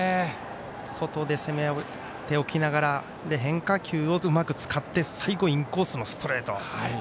外で攻めておきながら変化球をうまく使って、最後インコースのストレート。